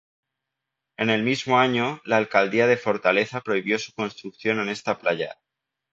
En el mismo año, la Alcaldía de Fortaleza prohibió su construcción en esta playa.